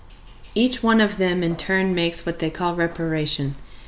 Each one of them in turn makes what they call reparation.